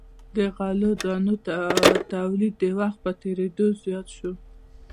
د غلو دانو تولید د وخت په تیریدو زیات شو.